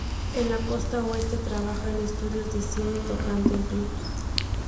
En la "costa Oeste", trabaja en estudios de cine y tocando en clubs.